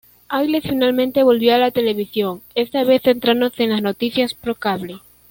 Ailes finalmente volvió a la televisión, esta vez centrándose en las noticias por cable.